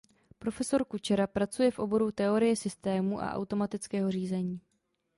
Prof. Kučera pracuje v oboru teorie systémů a automatického řízení.